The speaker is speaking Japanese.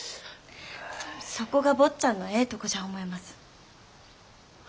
そこが坊ちゃんのええとこじゃ思います。